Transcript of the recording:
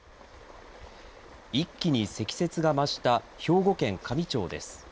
一気に積雪が増した兵庫県香美町です。